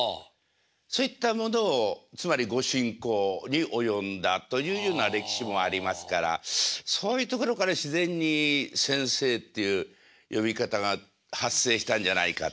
そういったものをつまりご進講に及んだというような歴史もありますからそういうところから自然に先生っていう呼び方が発生したんじゃないか。